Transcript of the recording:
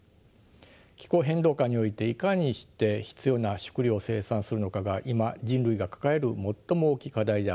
気候変動下においていかにして必要な食糧を生産するのかが今人類が抱える最も大きい課題であるといえます。